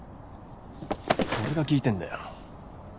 俺が聞いてんだよ！